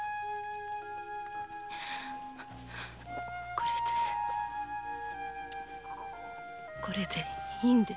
これでこれでいいんですよ。